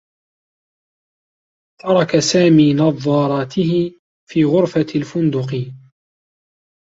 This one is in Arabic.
ترك سامي نظّاراته في غرفة الفندق.